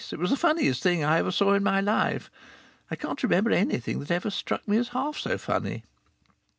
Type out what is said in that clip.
It was the funniest thing I ever saw in my life. I can't remember anything that ever struck me as half so funny.